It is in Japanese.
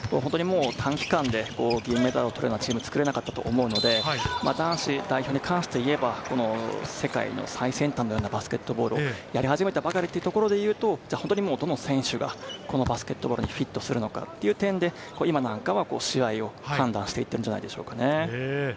短期間で銀メダルを取るようなチームを作れなかったと思うので、男子代表に関して言えば、この世界の最先端のようなバスケットボールをやり始めたばかりというところでいうとどの選手がこのバスケットボールにフィットするのかという点で、今なんかは試合を判断して行っているんじゃないでしょうかね。